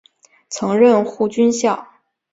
曾任护军校。